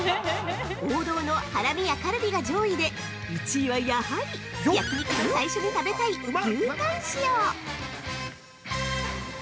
王道のハラミやカルビが上位で１位はやはり、焼き肉の最初に食べたい「牛タン塩」。